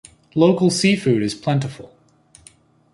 Local seafood is plentiful.